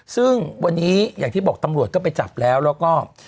ซึ่งวันนี้อย่างที่บอกตำรวจก็ไปจับแล้วแล้วก็